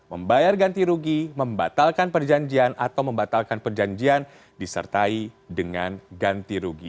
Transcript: membayar ganti rugi membatalkan perjanjian atau membatalkan perjanjian disertai dengan ganti rugi